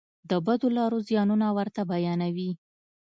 د بدو لارو زیانونه ورته بیانوي.